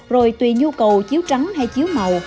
rồi tùy nhu cầu chiếu trắng hay chiếu màu